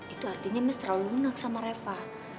itu artinya mis terlalu lunak sama reva